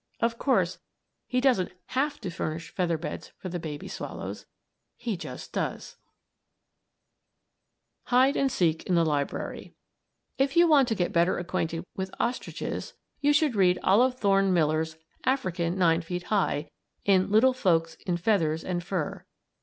Of course, he doesn't have to furnish feather beds for the baby swallows he just does! [Illustration: OFF FOR THE SOUTH] HIDE AND SEEK IN THE LIBRARY If you want to get better acquainted with ostriches you should read Olive Thorne Miller's "African Nine Feet High," in "Little Folks in Feathers and Fur."